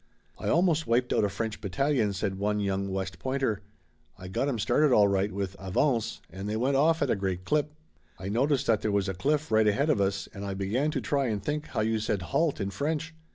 "I almost wiped out a French battalion," said one young West Pointer. "I got 'em started all right with 'avance' and they went off at a great clip. I noticed that there was a cliff right ahead of us and I began to try and think how you said 'halt' in French.